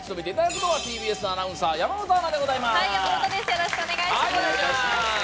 よろしくお願いします